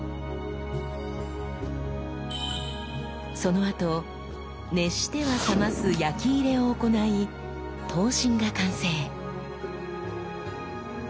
そのあと熱しては冷ます焼き入れを行い刀身が完成。